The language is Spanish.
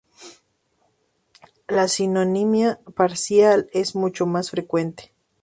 La sinonimia parcial es mucho más frecuente.